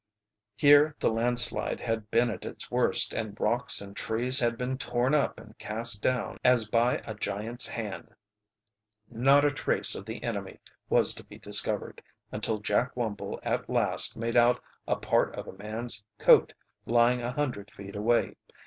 Here the landslide had been at its worst, and rocks and trees had been torn up and cast down as by a giant's hand. Not a trace of the enemy was to be discovered, until Jack Wumble at last made out a part of a man's coat lying a hundred feet away.